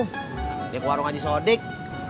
ngeke warung aja sodik